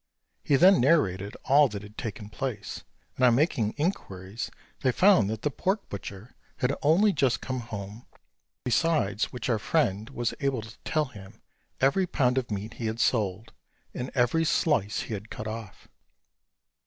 He then narrated all that had taken place, and on making inquiries, they found that the pork butcher had only just come home; besides which our friend was able to tell him every pound of meat he had sold, and every slice he had cut off.